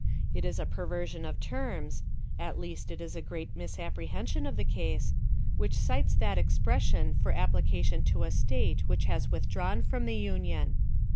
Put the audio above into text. It is a perversion of terms at least, it is a great misapprehension of the case which cites that expression for application to a State which has withdrawn from the Union.